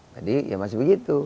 jadi masih begitu